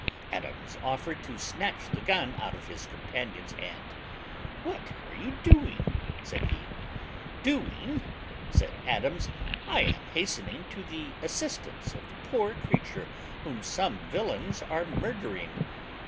Adams offered to snatch the gun out of his companion's hand. "What are you doing?" said he. "Doing!" said Adams; "I am hastening to the assistance of the poor creature whom some villains are murdering."